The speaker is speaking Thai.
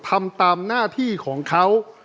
ทำตามหน้าที่ของเขา